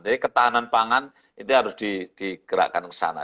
jadi ketahanan pangan itu harus digerakkan ke sana